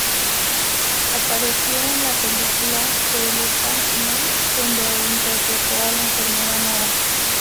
Apareció en la película "The Elephant Man", donde interpretó a la enfermera Nora.